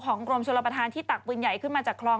กรมชลประธานที่ตักปืนใหญ่ขึ้นมาจากคลอง